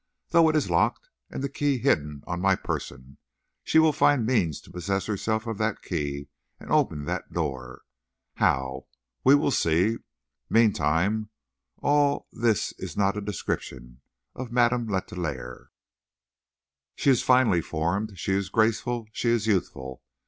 Though it is locked and the key hidden on my person, she will find means to possess herself of that key and open that door. How? We will see. Meantime all this is not a description of Madame Letellier. She is finely formed; she is graceful; she is youthful.